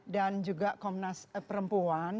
dan juga komnas perempuan